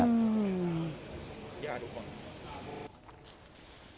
ย่าทุกคน